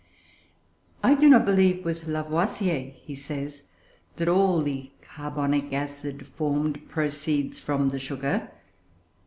"I do not believe with Lavoisier," he says, "that all the carbonic acid formed proceeds from the sugar.